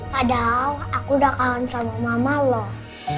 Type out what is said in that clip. padahal aku udah kangen sama mama loh